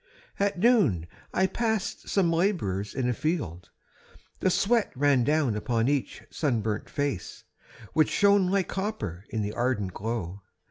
At noon I passed some labourers in a field. The sweat ran down upon each sunburnt face, Which shone like copper in the ardent glow.